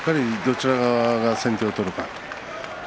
どちらが先手を取るか